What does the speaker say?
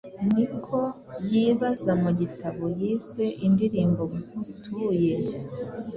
Niko yibaza mu gitabo yise indirimbo nkutuye